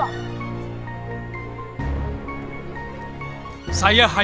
saya hanya menjalankan perjalanan